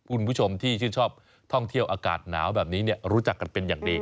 คุณผู้ชมที่ชื่นชอบท่องเที่ยวอากาศหนาวแบบนี้รู้จักกันเป็นอย่างดี